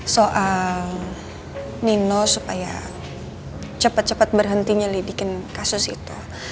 soal nino supaya cepet cepet berhentinya lidikin kasus itu